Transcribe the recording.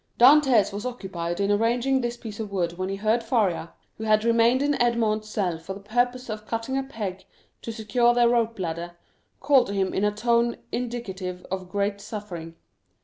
Dantès was occupied in arranging this piece of wood when he heard Faria, who had remained in Edmond's cell for the purpose of cutting a peg to secure their rope ladder, call to him in a tone indicative of great suffering.